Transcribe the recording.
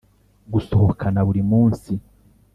gusohokana buri munsi